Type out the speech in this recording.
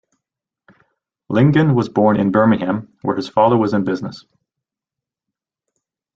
Lingen was born in Birmingham, where his father was in business.